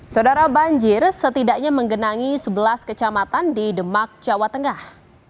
saudara banjir setidaknya menggenangi sebelas kecamatan di demak jawa tengah